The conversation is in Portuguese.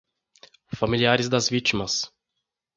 Familiares das vítimas